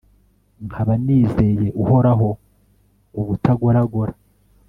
nkaba nizeye uhoraho ubutagoragora